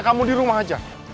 kamu di rumah aja